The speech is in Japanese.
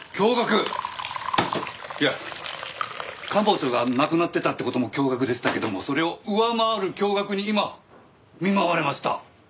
いや官房長が亡くなってたって事も驚愕でしたけどもそれを上回る驚愕に今見舞われました。